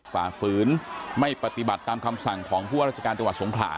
ฝ่าฝืนไม่ปฏิบัติตามคำสั่งของผู้ว่าราชการจังหวัดสงขลา